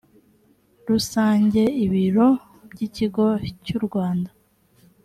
rusange ibiro by ikigo cy u rwanda